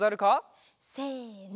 せの。